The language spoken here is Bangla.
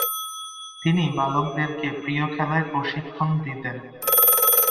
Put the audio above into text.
তিনি বালকদেরকে প্রিয় খেলায় প্রশিক্ষণ দিতেন।